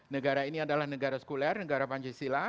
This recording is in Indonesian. negara ini adalah negara sekuler negara pancasila